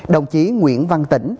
đồng chí nguyễn văn tĩnh